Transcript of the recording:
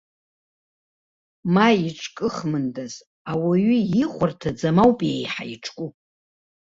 Ма иҿкыхмындаз, ауаҩы ихәарҭаӡам ауп еиҳа иҿку.